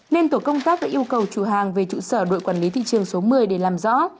nên tổ công tác đã yêu cầu chủ hàng về trụ sở đội quản lý thị trường số một mươi để làm rõ